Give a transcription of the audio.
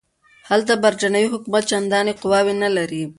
هلته برټانوي حکومت چنداني قواوې نه لري.